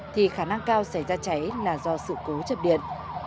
thì khả năng cao xảy ra cháy là do sự cố chập điện